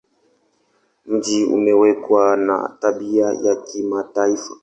Mji umekuwa na tabia ya kimataifa.